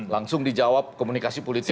langsung dijawab komunikasi politik